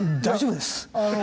大丈夫です。